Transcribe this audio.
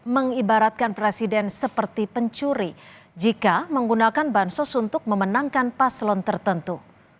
mengibaratkan presiden seperti pencuri jika menggunakan bansos untuk memenangkan paslon tertentu